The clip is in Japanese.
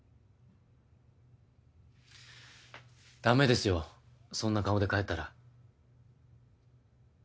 ダメですよそんな顔で帰ったら。